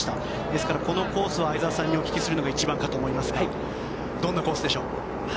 ですからこのコースは相澤さんにお聞きするのが一番かと思いますがどんなコースでしょう。